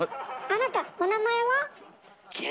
あなたお名前は？